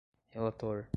relator